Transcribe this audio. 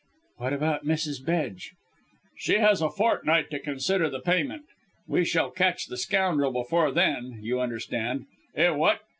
"What about Mrs. Bedge?" "She has a fortnight to consider the payment. We shall catch the scoundrel before then you understand. Eh, what?